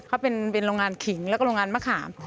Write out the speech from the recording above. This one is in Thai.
เขาเป็นโรงงานขิงแล้วก็โรงงานมะขาม